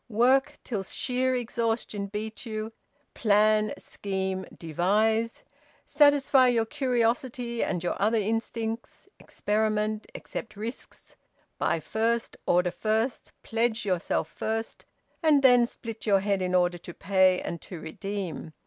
Work till sheer exhaustion beat you. Plan, scheme, devise! Satisfy your curiosity and your other instincts! Experiment! Accept risks! Buy first, order first, pledge yourself first; and then split your head in order to pay and to redeem!